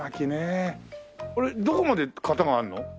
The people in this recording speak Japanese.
これどこまで型があるの？